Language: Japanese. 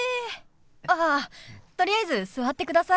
あっとりあえず座ってください。